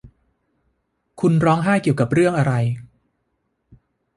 คุณร้องไห้เกี่ยวกับเรื่องอะไร